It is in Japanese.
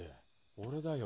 俺だよ